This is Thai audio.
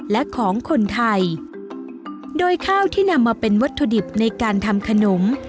และของคนไทยโดยข้าวที่นำมาเป็นวัตถุดิบในการทำขนม